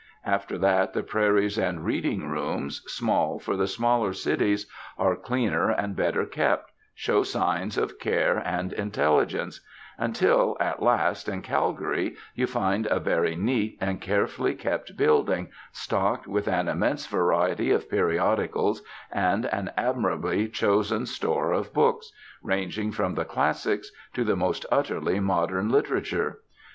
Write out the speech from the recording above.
After that the libraries and reading rooms, small for the smaller cities, are cleaner and better kept, show signs of care and intelligence; until at last, in Calgary, you find a very neat and carefully kept building, stocked with an immense variety of periodicals, and an admirably chosen store of books, ranging from the classics to the most utterly modern literature.